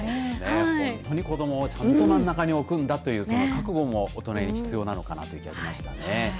本当に子どもはちゃんと真ん中に置くんだというその覚悟も必要なのかなという気はしましたね。